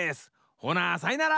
ほなさいなら！